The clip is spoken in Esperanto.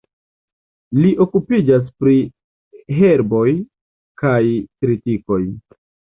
Li okupiĝas pri herboj kaj tritikoj.